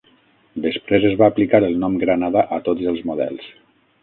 Després es va aplicar el nom Granada a tots els models.